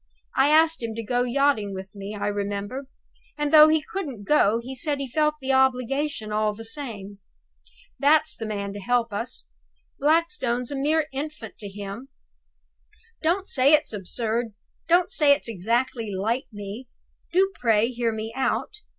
I asked him to go yachting with me, I remember; and, though he couldn't go, he said he felt the obligation all the same. That's the man to help us. Blackstone's a mere infant to him. Don't say it's absurd; don't say it's exactly like me. Do pray hear me out.